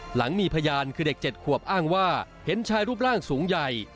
หลังมีพยานคือเด็ก๗ขวบอ้างว่าเห็นชายรูปร่างสูงใหญ่